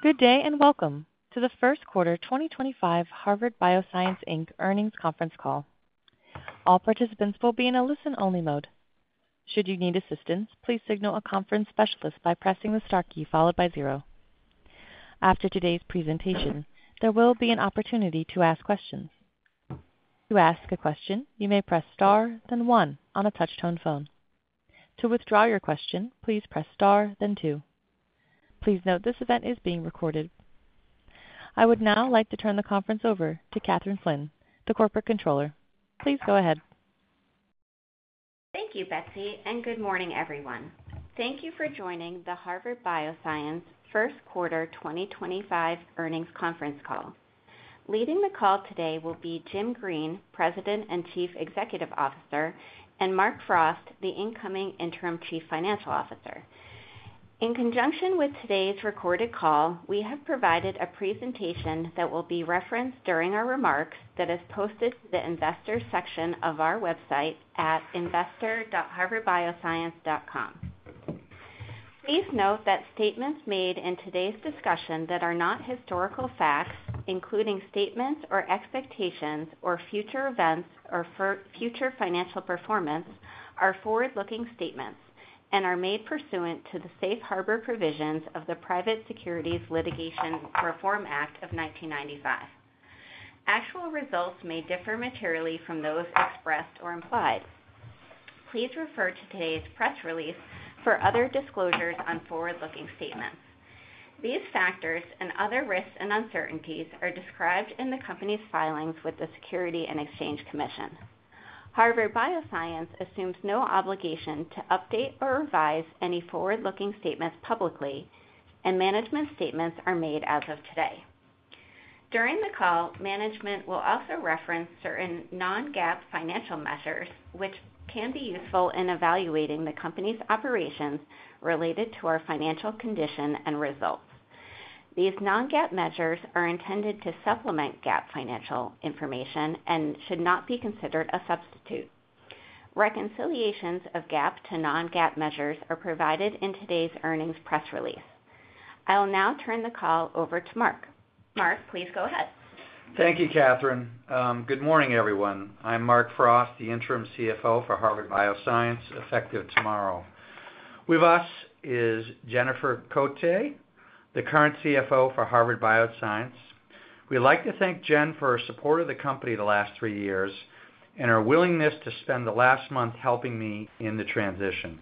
Good day and welcome to the first quarter 2025 Harvard Bioscience earnings conference call. All participants will be in a listen-only mode. Should you need assistance, please signal a conference specialist by pressing the star key followed by zero. After today's presentation, there will be an opportunity to ask questions. To ask a question, you may press star, then one on a touch-tone phone. To withdraw your question, please press star, then two. Please note this event is being recorded. I would now like to turn the conference over to Kathryn Flynn, the Corporate Controller. Please go ahead. Thank you, Betsy, and good morning, everyone. Thank you for joining the Harvard Bioscience first quarter 2025 earnings conference call. Leading the call today will be Jim Green, President and Chief Executive Officer, and Mark Frost, the incoming Interim Chief Financial Officer. In conjunction with today's recorded call, we have provided a presentation that will be referenced during our remarks that is posted to the investor section of our website at investor.harvardbioscience.com. Please note that statements made in today's discussion that are not historical facts, including statements or expectations or future events or future financial performance, are forward-looking statements and are made pursuant to the safe harbor provisions of the Private Securities Litigation Reform Act of 1995. Actual results may differ materially from those expressed or implied. Please refer to today's press release for other disclosures on forward-looking statements. These factors and other risks and uncertainties are described in the company's filings with the Securities and Exchange Commission. Harvard Bioscience assumes no obligation to update or revise any forward-looking statements publicly, and management statements are made as of today. During the call, management will also reference certain non-GAAP financial measures, which can be useful in evaluating the company's operations related to our financial condition and results. These non-GAAP measures are intended to supplement GAAP financial information and should not be considered a substitute. Reconciliations of GAAP to non-GAAP measures are provided in today's earnings press release. I will now turn the call over to Mark. Mark, please go ahead. Thank you, Kathryn. Good morning, everyone. I'm Mark Frost, the Interim CFO for Harvard Bioscience, effective tomorrow. With us is Jennifer Cote, the current CFO for Harvard Bioscience. We'd like to thank Jen for her support of the company the last 3 years and her willingness to spend the last month helping me in the transition.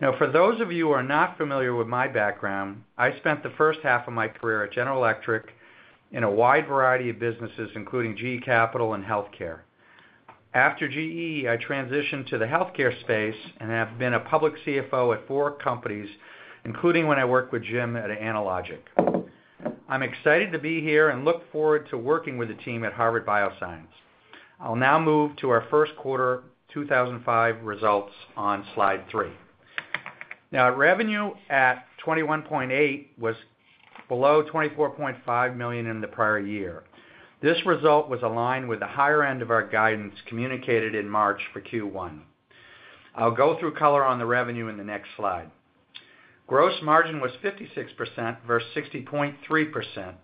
Now, for those of you who are not familiar with my background, I spent the first half of my career at General Electric in a wide variety of businesses, including GE Capital and healthcare. After GE, I transitioned to the healthcare space and have been a public CFO at four companies, including when I worked with Jim at Analogic. I'm excited to be here and look forward to working with the team at Harvard Bioscience. I'll now move to our first quarter 2005 results on slide 3. Now, revenue at $21.8 million was below $24.5 million in the prior year. This result was aligned with the higher end of our guidance communicated in March for Q1. I'll go through color on the revenue in the next slide. Gross margin was 56% versus 60.3%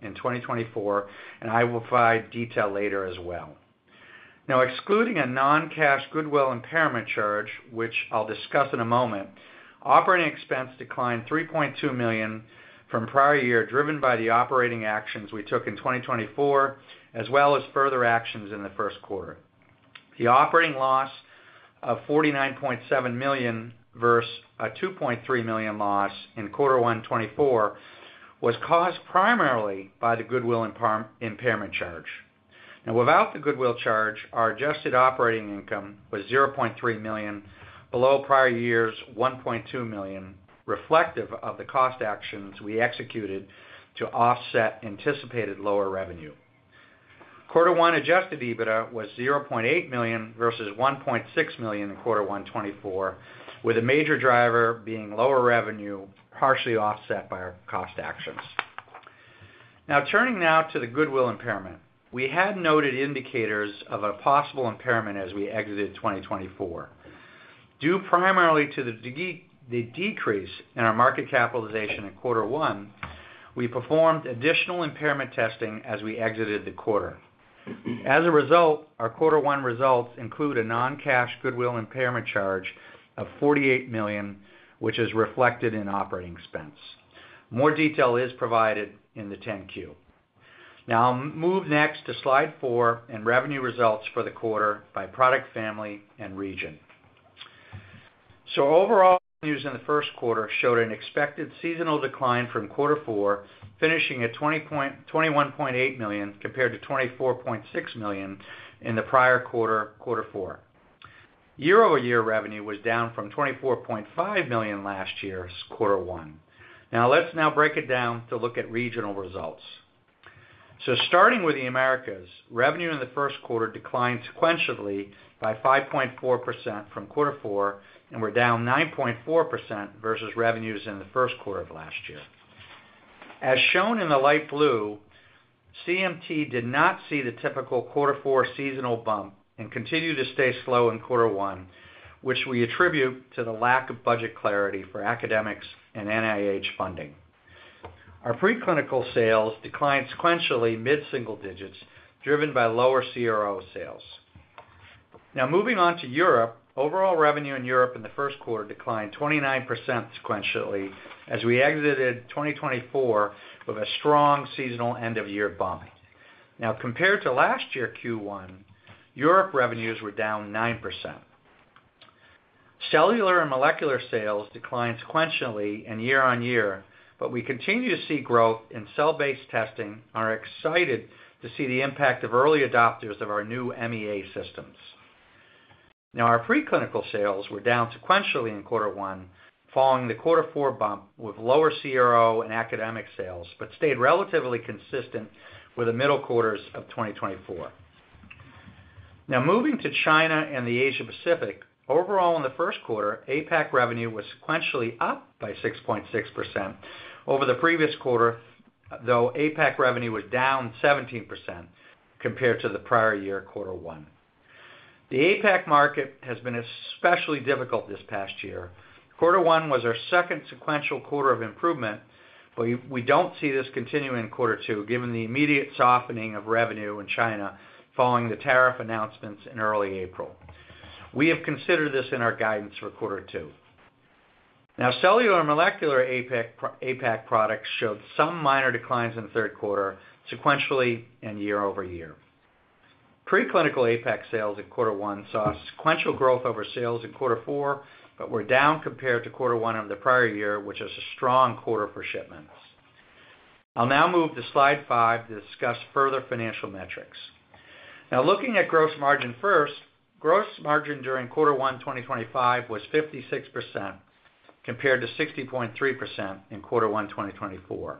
in 2024, and I will provide detail later as well. Now, excluding a non-cash goodwill impairment charge, which I'll discuss in a moment, operating expense declined $3.2 million from prior year, driven by the operating actions we took in 2024, as well as further actions in the first quarter. The operating loss of $49.7 million versus a $2.3 million loss in quarter one 2024 was caused primarily by the goodwill impairment charge. Now, without the goodwill charge, our adjusted operating income was $0.3 million, below prior year's $1.2 million, reflective of the cost actions we executed to offset anticipated lower revenue. Quarter one adjusted EBITDA was $0.8 million versus $1.6 million in quarter one 2024, with a major driver being lower revenue, partially offset by our cost actions. Now, turning now to the goodwill impairment, we had noted indicators of a possible impairment as we exited 2024. Due primarily to the decrease in our market capitalization in quarter one, we performed additional impairment testing as we exited the quarter. As a result, our quarter one results include a non-cash goodwill impairment charge of $48 million, which is reflected in operating expense. More detail is provided in the 10-Q. Now, I'll move next to slide 4 and revenue results for the quarter by product family and region. So overall, revenues in the first quarter showed an expected seasonal decline from quarter four, finishing at $21.8 million compared to $24.6 million in the prior quarter, quarter four. Year-over-year revenue was down from $24.5 million last year's quarter one. Now, let's now break it down to look at regional results. Starting with the Americas, revenue in the first quarter declined sequentially by 5.4% from quarter four, and were down 9.4% versus revenues in the first quarter of last year. As shown in the light blue, CMT did not see the typical quarter four seasonal bump and continued to stay slow in quarter one, which we attribute to the lack of budget clarity for academics and NIH funding. Our preclinical sales declined sequentially mid-single digits, driven by lower CRO sales. Now, moving on to Europe, overall revenue in Europe in the first quarter declined 29% sequentially as we exited 2024 with a strong seasonal end-of-year bump. Now, compared to last year Q1, Europe revenues were down 9%. Cellular and molecular sales declined sequentially and year-on-year, but we continue to see growth in cell-based testing and are excited to see the impact of early adopters of our new MEA systems. Now, our preclinical sales were down sequentially in quarter one, following the quarter four bump with lower CRO and academic sales, but stayed relatively consistent with the middle quarters of 2024. Now, moving to China and the Asia-Pacific, overall in the first quarter, APAC revenue was sequentially up by 6.6% over the previous quarter, though APAC revenue was down 17% compared to the prior year quarter one. The APAC market has been especially difficult this past year. Quarter one was our second sequential quarter of improvement, but we do not see this continuing in quarter two, given the immediate softening of revenue in China following the tariff announcements in early April. We have considered this in our guidance for quarter two. Now, cellular and molecular APAC products showed some minor declines in the third quarter, sequentially and year-over-year. Preclinical APAC sales in quarter one saw sequential growth over sales in quarter four, but were down compared to quarter one of the prior year, which is a strong quarter for shipments. I'll now move to slide 5 to discuss further financial metrics. Now, looking at gross margin first, gross margin during quarter one 2025 was 56% compared to 60.3% in quarter one 2024.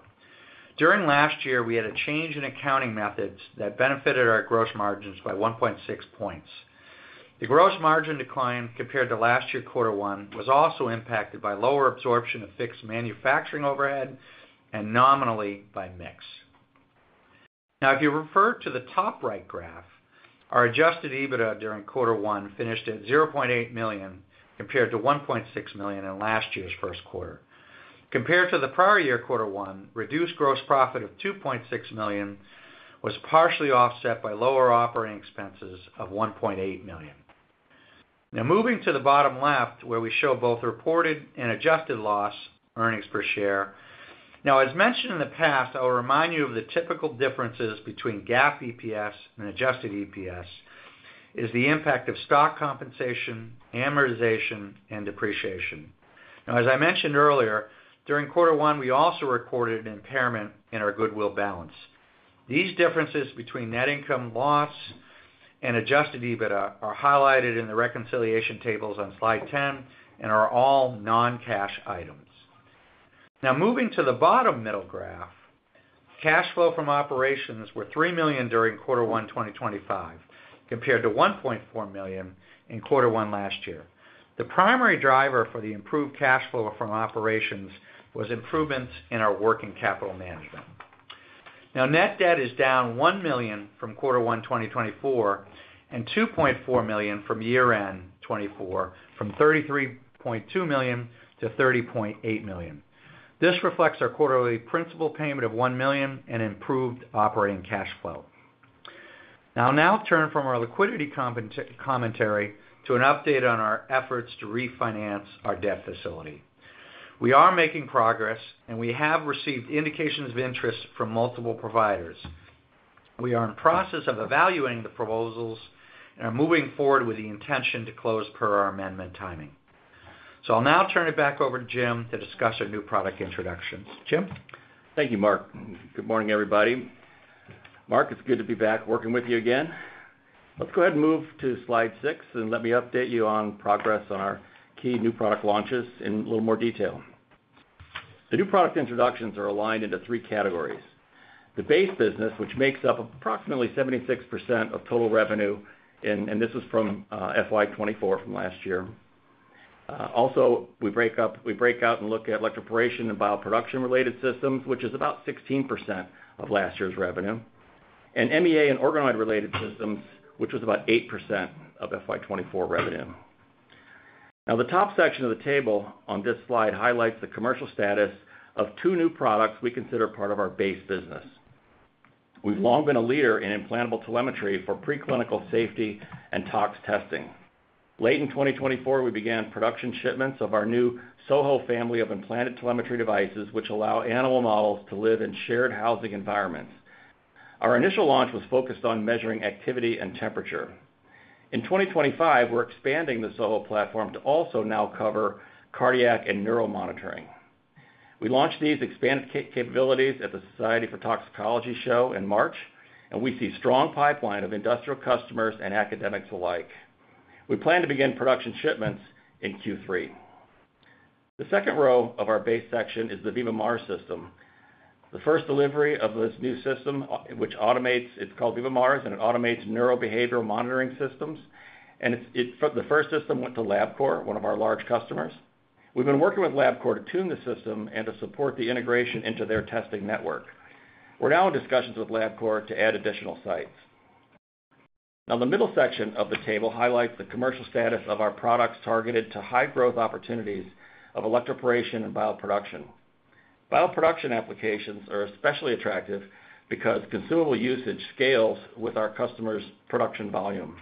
During last year, we had a change in accounting methods that benefited our gross margins by 1.6 percentage points. The gross margin decline compared to last year quarter one was also impacted by lower absorption of fixed manufacturing overhead and nominally by mix. Now, if you refer to the top right graph, our adjusted EBITDA during quarter one finished at $0.8 million compared to $1.6 million in last year's first quarter. Compared to the prior year quarter one, reduced gross profit of $2.6 million was partially offset by lower operating expenses of $1.8 million. Now, moving to the bottom left, where we show both reported and adjusted loss earnings per share. Now, as mentioned in the past, I will remind you of the typical differences between GAAP EPS and adjusted EPS is the impact of stock compensation, amortization, and depreciation. Now, as I mentioned earlier, during quarter one, we also recorded an impairment in our goodwill balance. These differences between net income loss and adjusted EBITDA are highlighted in the reconciliation tables on slide 10 and are all non-cash items. Now, moving to the bottom middle graph, cash flow from operations were $3 million during quarter one 2025, compared to $1.4 million in quarter one last year. The primary driver for the improved cash flow from operations was improvements in our working capital management. Now, net debt is down $1 million from quarter one 2024 and $2.4 million from year-end 2024, from $33.2 million to $30.8 million. This reflects our quarterly principal payment of $1 million and improved operating cash flow. Now, I'll turn from our liquidity commentary to an update on our efforts to refinance our debt facility. We are making progress, and we have received indications of interest from multiple providers. We are in the process of evaluating the proposals and are moving forward with the intention to close per our amendment timing. I'll now turn it back over to Jim to discuss our new product introductions. Jim? Thank you, Mark. Good morning, everybody. Mark, it's good to be back working with you again. Let's go ahead and move to slide 6 and let me update you on progress on our key new product launches in a little more detail. The new product introductions are aligned into three categories. The base business, which makes up approximately 76% of total revenue, and this was from FY 2024 from last year. Also, we break out and look at electroporation and bioproduction-related systems, which is about 16% of last year's revenue, and MEA and organoid-related systems, which was about 8% of FY 2024 revenue. Now, the top section of the table on this slide highlights the commercial status of two new products we consider part of our base business. We've long been a leader in implantable telemetry for preclinical safety and tox testing. Late in 2024, we began production shipments of our new SoHo family of implanted telemetry devices, which allow animal models to live in shared housing environments. Our initial launch was focused on measuring activity and temperature. In 2025, we're expanding the SoHo platform to also now cover cardiac and neuromonitoring. We launched these expanded capabilities at the Society for Toxicology Show in March, and we see a strong pipeline of industrial customers and academics alike. We plan to begin production shipments in Q3. The second row of our base section is the VivaMARS system. The first delivery of this new system, which automates, it's called VivaMARS, and it automates neurobehavioral monitoring systems. The first system went to Labcorp, one of our large customers. We've been working with Labcorp to tune the system and to support the integration into their testing network. We're now in discussions with Labcorp to add additional sites. Now, the middle section of the table highlights the commercial status of our products targeted to high-growth opportunities of electroporation and bioproduction. Bioproduction applications are especially attractive because consumable usage scales with our customers' production volume.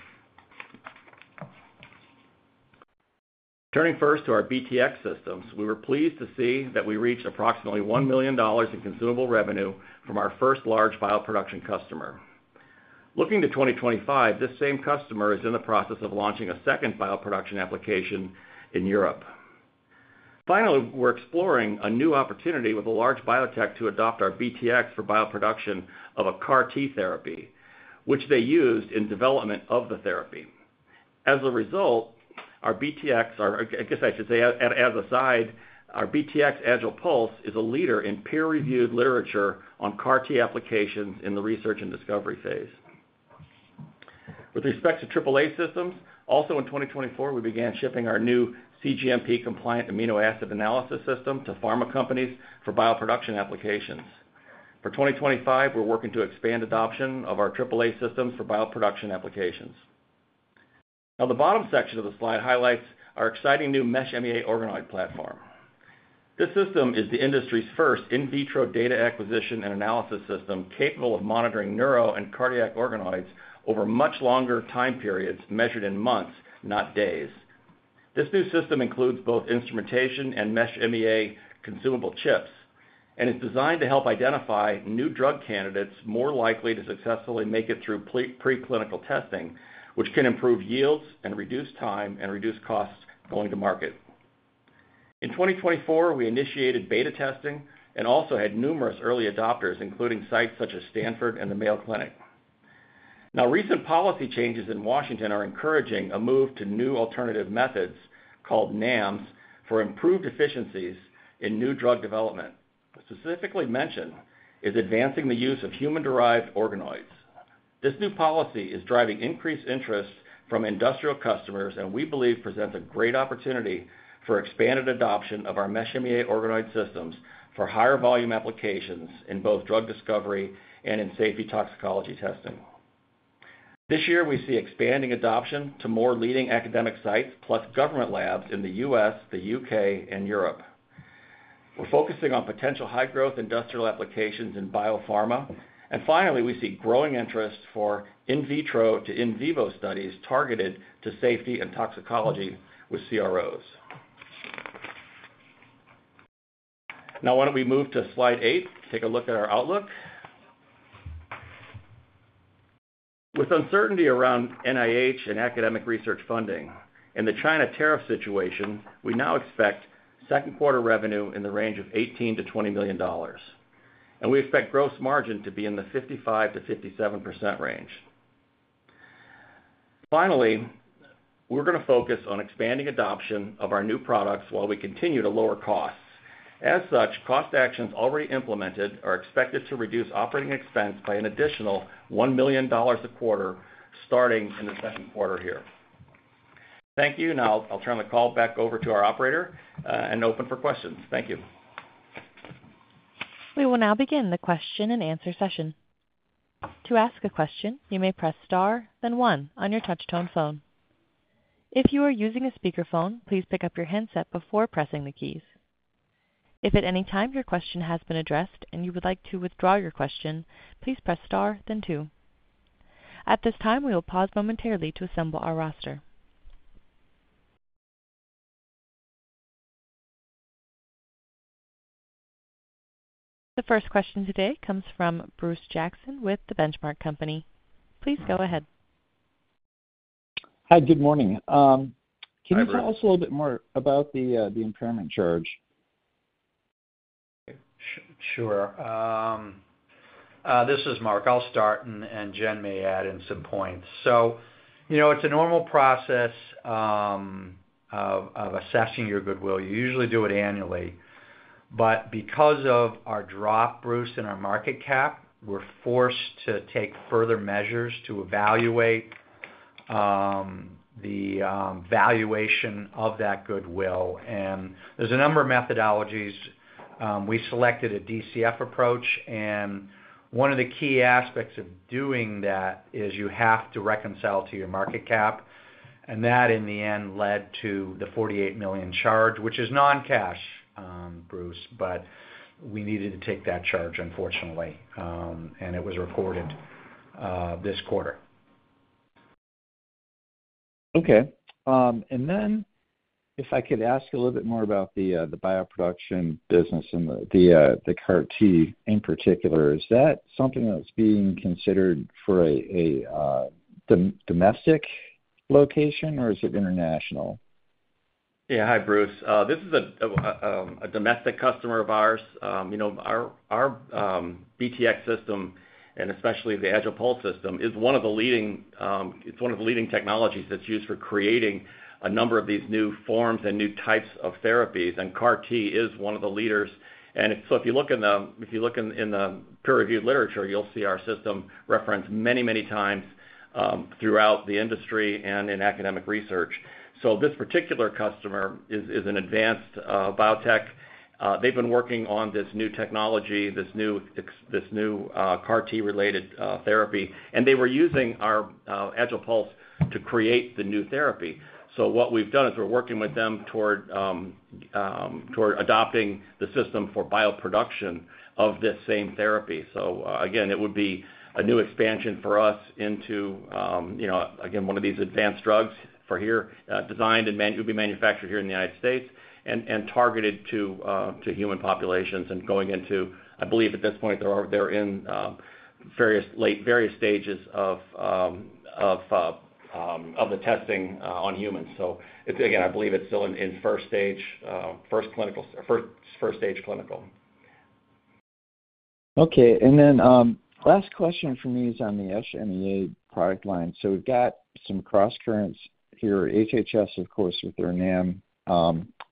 Turning first to our BTX systems, we were pleased to see that we reached approximately $1 million in consumable revenue from our first large bioproduction customer. Looking to 2025, this same customer is in the process of launching a second bioproduction application in Europe. Finally, we're exploring a new opportunity with a large biotech to adopt our BTX for bioproduction of a CAR-T therapy, which they used in development of the therapy. As a result, our BTX, or I guess I should say, as a side, our BTX AgilePulse is a leader in peer-reviewed literature on CAR-T applications in the research and discovery phase. With respect to AAA systems, also in 2024, we began shipping our new CGMP-compliant amino acid analysis system to pharma companies for bioproduction applications. For 2025, we're working to expand adoption of our AAA systems for bioproduction applications. Now, the bottom section of the slide highlights our exciting new Mesh MEA organoid platform. This system is the industry's first in vitro data acquisition and analysis system capable of monitoring neuro and cardiac organoids over much longer time periods measured in months, not days. This new system includes both instrumentation and Mesh MEA consumable chips and is designed to help identify new drug candidates more likely to successfully make it through preclinical testing, which can improve yields and reduce time and reduce costs going to market. In 2024, we initiated beta testing and also had numerous early adopters, including sites such as Stanford and the Mayo Clinic. Now, recent policy changes in Washington are encouraging a move to new alternative methods called NAMs for improved efficiencies in new drug development. Specifically mentioned is advancing the use of human-derived organoids. This new policy is driving increased interest from industrial customers, and we believe presents a great opportunity for expanded adoption of our Mesh MEA organoid systems for higher volume applications in both drug discovery and in safety toxicology testing. This year, we see expanding adoption to more leading academic sites, plus government labs in the U.S., the U.K., and Europe. We're focusing on potential high-growth industrial applications in biopharma. Finally, we see growing interest for in vitro to in vivo studies targeted to safety and toxicology with CROs. Now, why don't we move to slide 8, take a look at our outlook. With uncertainty around NIH and academic research funding and the China tariff situation, we now expect second quarter revenue in the range of $18 million-$20 million. We expect gross margin to be in the 55%-57% range. Finally, we're going to focus on expanding adoption of our new products while we continue to lower costs. As such, cost actions already implemented are expected to reduce operating expense by an additional $1 million a quarter starting in the second quarter here. Thank you. Now, I'll turn the call back over to our operator and open for questions. Thank you. We will now begin the question and answer session. To ask a question, you may press star, then one on your touch-tone phone. If you are using a speakerphone, please pick up your handset before pressing the keys. If at any time your question has been addressed and you would like to withdraw your question, please press star, then two. At this time, we will pause momentarily to assemble our roster. The first question today comes from Bruce Jackson with The Benchmark Company. Please go ahead. Hi, good morning. Can you tell us a little bit more about the impairment charge? Sure. This is Mark. I'll start, and Jen may add in some points. It's a normal process of assessing your goodwill. You usually do it annually. Because of our drop, Bruce, in our market cap, we're forced to take further measures to evaluate the valuation of that goodwill. There's a number of methodologies. We selected a DCF approach, and one of the key aspects of doing that is you have to reconcile to your market cap. That, in the end, led to the $48 million charge, which is non-cash, Bruce, but we needed to take that charge, unfortunately, and it was recorded this quarter. Okay. And then if I could ask a little bit more about the bioproduction business and the CAR-T in particular, is that something that's being considered for a domestic location, or is it international? Yeah. Hi, Bruce. This is a domestic customer of ours. Our BTX system, and especially the AgilePulse system, is one of the leading technologies that's used for creating a number of these new forms and new types of therapies, and CAR-T is one of the leaders. If you look in the peer-reviewed literature, you'll see our system referenced many, many times throughout the industry and in academic research. This particular customer is an advanced biotech. They've been working on this new technology, this new CAR-T-related therapy, and they were using our AgilePulse to create the new therapy. What we've done is we're working with them toward adopting the system for bioproduction of this same therapy. Again, it would be a new expansion for us into, again, one of these advanced drugs for here designed and will be manufactured here in the United States and targeted to human populations and going into, I believe, at this point, they're in various stages of the testing on humans. Again, I believe it's still in first stage, first clinical, first stage clinical. Okay. And then last question for me is on the MEA product line. We've got some crosscurrents here. HHS, of course, with their NAM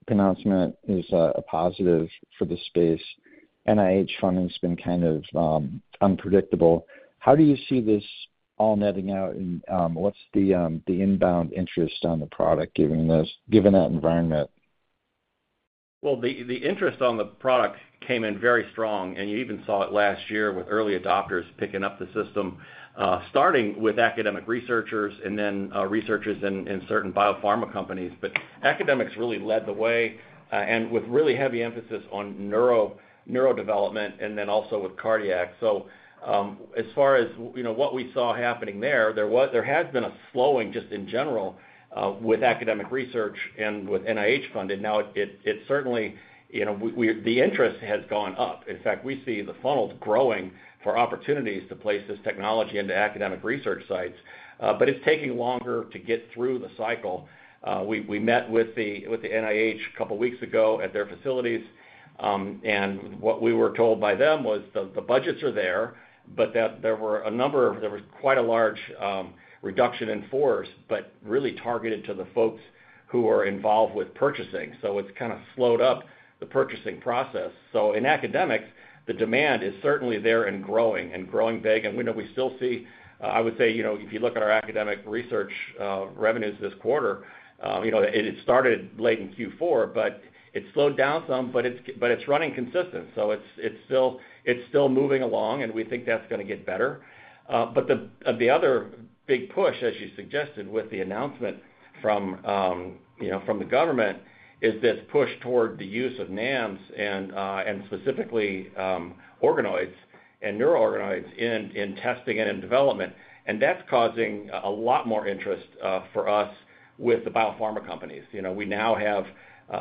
pronouncement is a positive for the space. NIH funding has been kind of unpredictable. How do you see this all netting out, and what's the inbound interest on the product given that environment? The interest on the product came in very strong, and you even saw it last year with early adopters picking up the system, starting with academic researchers and then researchers in certain biopharma companies. Academics really led the way and with really heavy emphasis on neuro development and then also with cardiac. As far as what we saw happening there, there has been a slowing just in general with academic research and with NIH funding. It certainly—the interest has gone up. In fact, we see the funnel growing for opportunities to place this technology into academic research sites, but it's taking longer to get through the cycle. We met with the NIH a couple of weeks ago at their facilities, and what we were told by them was the budgets are there, but there was quite a large reduction in force, but really targeted to the folks who are involved with purchasing. It has kind of slowed up the purchasing process. In academics, the demand is certainly there and growing and growing big. We still see, I would say, if you look at our academic research revenues this quarter, it started late in Q4, but it slowed down some, but it is running consistent. It is still moving along, and we think that is going to get better. The other big push, as you suggested with the announcement from the government, is this push toward the use of NAMs and specifically organoids and neuroorganoids in testing and in development. That is causing a lot more interest for us with the biopharma companies. We now have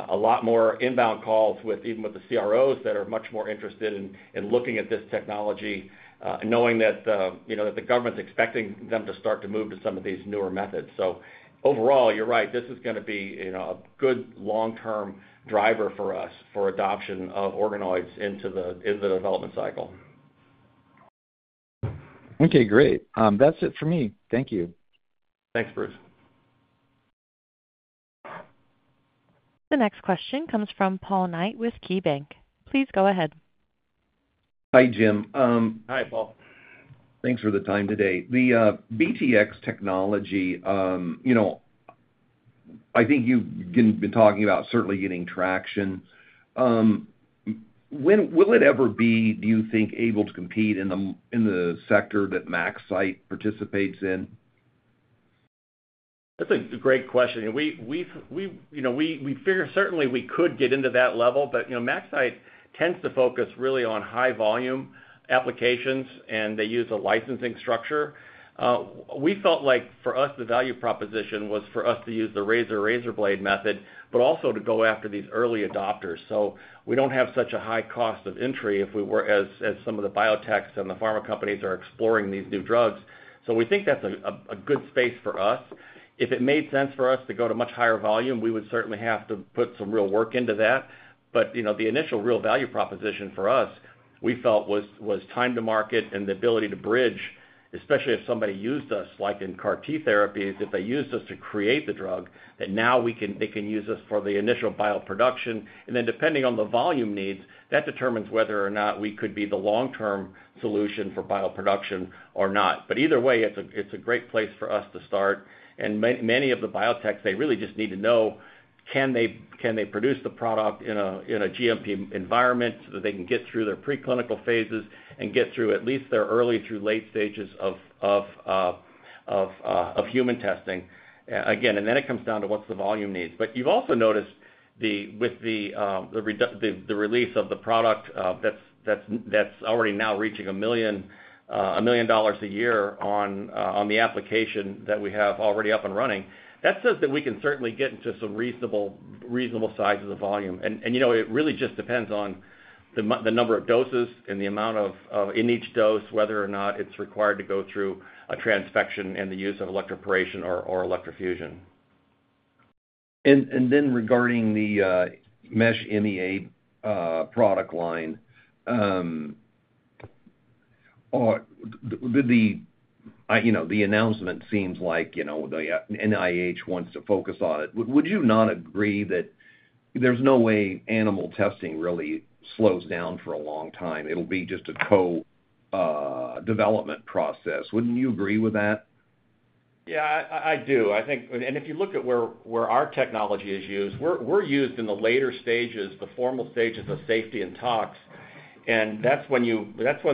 a lot more inbound calls even with the CROs that are much more interested in looking at this technology, knowing that the government's expecting them to start to move to some of these newer methods. Overall, you're right, this is going to be a good long-term driver for us for adoption of organoids into the development cycle. Okay. Great. That's it for me. Thank you. Thanks, Bruce. The next question comes from Paul Knight with KeyBanc. Please go ahead. Hi, Jim. Hi, Paul. Thanks for the time today. The BTX technology, I think you've been talking about certainly getting traction. Will it ever be, do you think, able to compete in the sector that MaxCyte participates in? That's a great question. We figure certainly we could get into that level, but MaxCyte tends to focus really on high-volume applications, and they use a licensing structure. We felt like for us, the value proposition was for us to use the razor-razor blade method, but also to go after these early adopters. We do not have such a high cost of entry as some of the biotechs and the pharma companies are exploring these new drugs. We think that's a good space for us. If it made sense for us to go to much higher volume, we would certainly have to put some real work into that. The initial real value proposition for us, we felt, was time to market and the ability to bridge, especially if somebody used us, like in CAR-T therapies, if they used us to create the drug, that now they can use us for the initial bioproduction. Then depending on the volume needs, that determines whether or not we could be the long-term solution for bioproduction or not. Either way, it's a great place for us to start. Many of the biotechs, they really just need to know, can they produce the product in a GMP environment so that they can get through their preclinical phases and get through at least their early through late stages of human testing? Again, it comes down to what's the volume needs. You have also noticed with the release of the product that is already now reaching $1 million a year on the application that we have already up and running. That says that we can certainly get into some reasonable sizes of volume. It really just depends on the number of doses and the amount in each dose, whether or not it is required to go through a transfection and the use of electroporation or electrofusion. Regarding the Mesh MEA product line, the announcement seems like the NIH wants to focus on it. Would you not agree that there's no way animal testing really slows down for a long time? It'll be just a co-development process. Wouldn't you agree with that? Yeah, I do. If you look at where our technology is used, we're used in the later stages, the formal stages of safety and tox. That's when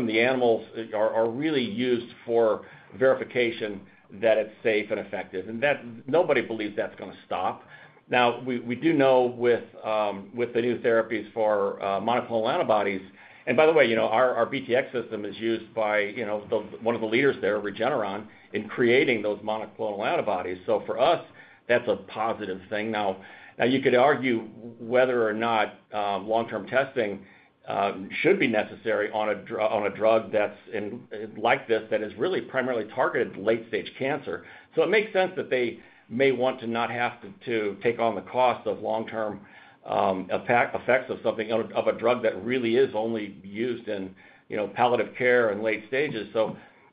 the animals are really used for verification that it's safe and effective. Nobody believes that's going to stop. Now, we do know with the new therapies for monoclonal antibodies—and by the way, our BTX system is used by one of the leaders there, Regeneron, in creating those monoclonal antibodies. For us, that's a positive thing. You could argue whether or not long-term testing should be necessary on a drug like this that is really primarily targeted late-stage cancer. It makes sense that they may want to not have to take on the cost of long-term effects of a drug that really is only used in palliative care in late stages.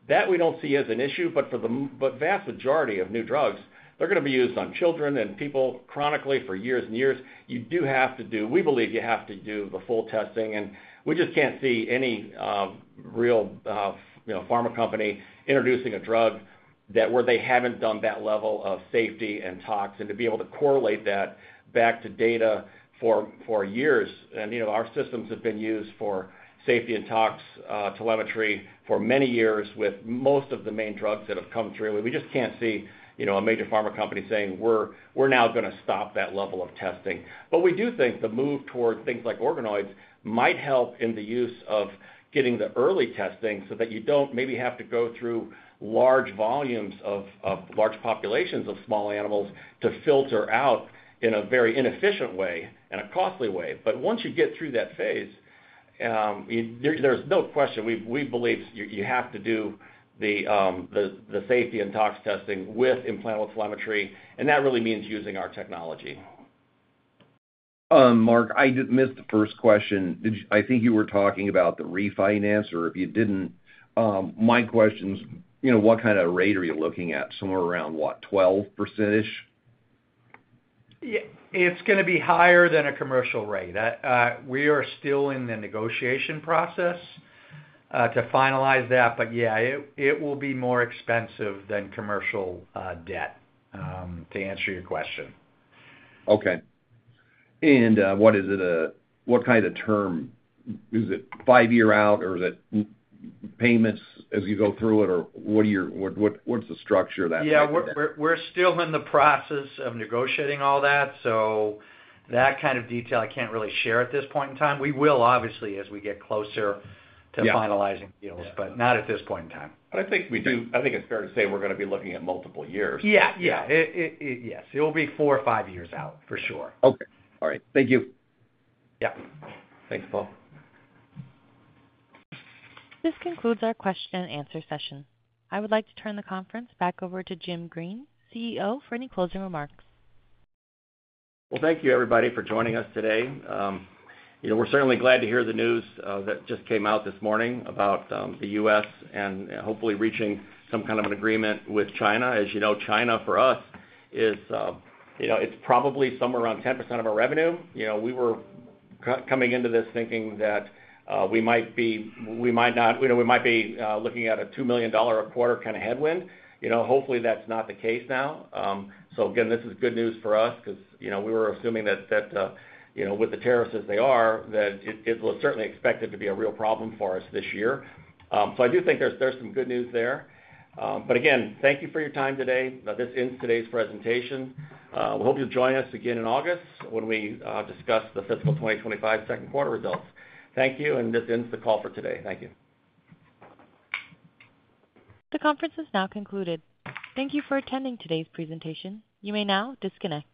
That we do not see as an issue. For the vast majority of new drugs, they are going to be used on children and people chronically for years and years. You do have to do—we believe you have to do the full testing. We just cannot see any real pharma company introducing a drug where they have not done that level of safety and tox. To be able to correlate that back to data for years. Our systems have been used for safety and tox telemetry for many years with most of the main drugs that have come through. We just can't see a major pharma company saying, "We're now going to stop that level of testing." We do think the move toward things like organoids might help in the use of getting the early testing so that you don't maybe have to go through large volumes of large populations of small animals to filter out in a very inefficient way and a costly way. Once you get through that phase, there's no question. We believe you have to do the safety and tox testing with implantable telemetry. That really means using our technology. Mark, I missed the first question. I think you were talking about the refinance, or if you didn't, my question is, what kind of rate are you looking at? Somewhere around what, 12%-ish? It's going to be higher than a commercial rate. We are still in the negotiation process to finalize that. Yeah, it will be more expensive than commercial debt, to answer your question. Okay. What is it? What kind of term is it? Is it 5-year out, or is it payments as you go through it, or what's the structure of that? Yeah. We're still in the process of negotiating all that. That kind of detail, I can't really share at this point in time. We will, obviously, as we get closer to finalizing deals, but not at this point in time. I think we do—I think it's fair to say we're going to be looking at multiple years. Yeah. Yeah. Yes. It will be 4 or 5 years out for sure. Okay. All right. Thank you. Yeah. Thanks, Paul. This concludes our question-and-answer session. I would like to turn the conference back over to Jim Green, CEO, for any closing remarks. Thank you, everybody, for joining us today. We're certainly glad to hear the news that just came out this morning about the U.S. and hopefully reaching some kind of an agreement with China. As you know, China for us, it's probably somewhere around 10% of our revenue. We were coming into this thinking that we might be—we might not. We might be looking at a $2 million a quarter kind of headwind. Hopefully, that's not the case now. This is good news for us because we were assuming that with the tariffs as they are, that it was certainly expected to be a real problem for us this year. I do think there's some good news there. Thank you for your time today. This ends today's presentation. We hope you'll join us again in August when we discuss the fiscal 2025 second quarter results. Thank you. This ends the call for today. Thank you. The conference is now concluded. Thank you for attending today's presentation. You may now disconnect.